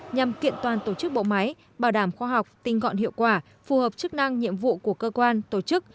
nhằm kiện toàn tổ chức bộ máy bảo đảm khoa học tinh gọn hiệu quả phù hợp chức năng nhiệm vụ của cơ quan tổ chức